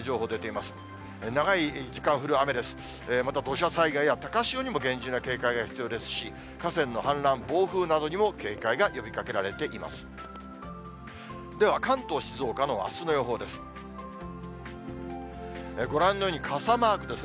また土砂災害や高潮にも厳重な警戒が必要ですし、河川の氾濫、暴風などにも警戒が呼びかけられています。